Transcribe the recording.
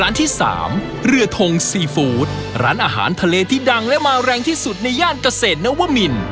ที่สามเรือทงซีฟู้ดร้านอาหารทะเลที่ดังและมาแรงที่สุดในย่านเกษตรนวมิน